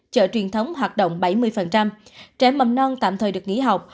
chợ truyền thống hoạt động bảy mươi trẻ mầm non tạm thời được nghỉ học